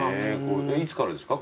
いつからですか？